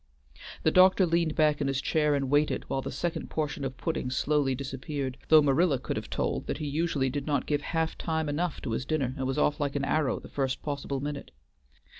The doctor leaned back in his chair and waited while the second portion of pudding slowly disappeared, though Marilla could have told that he usually did not give half time enough to his dinner and was off like an arrow the first possible minute.